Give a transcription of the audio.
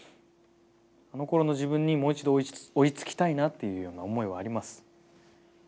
あのころの自分にもう一度追いつきたいなっていうような思いはあります。